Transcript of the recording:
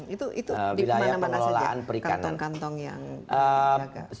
itu di mana mana saja kantong kantong yang dijaga